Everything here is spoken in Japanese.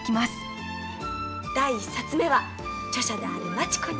第１冊目は著者であるマチ子に。